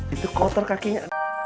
itu kotor kakinya